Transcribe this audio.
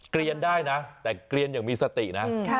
เรียนได้นะแต่เกลียนอย่างมีสตินะ